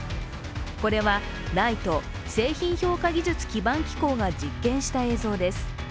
これはＮＩＴＥ＝製品評価技術基盤機構が実験した映像です。